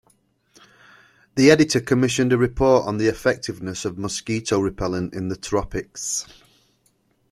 The Editor commissioned a report on the effectiveness of mosquito repellent in the tropics.